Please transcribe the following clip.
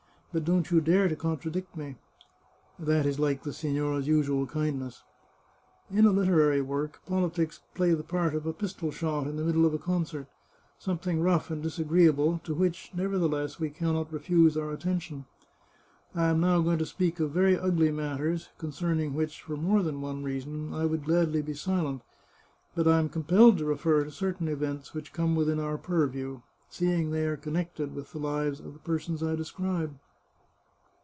But don't you dare to con tradict me !"" That is like the signora's usual kindness." In a literary work, politics play the part of a pistol shot in the middle of a concert — something rough and disagreeable, to which, nevertheless, we can not refuse our attention. I am now going to speak of very ugly matters, concern ing which, for more than one reason, I would gladly be silent. But I am compelled to refer to certain events which come within our purview, seeing they are connected with the lives of the persons I describe.